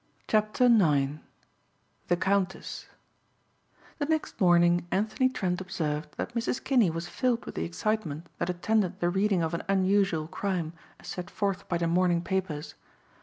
CHAPTER IX "THE COUNTESS" The next morning Anthony Trent observed that Mrs. Kinney was filled with the excitement that attended the reading of an unusual crime as set forth by the morning papers.